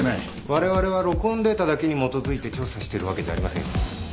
われわれは録音データだけに基づいて調査してるわけじゃありませんよ。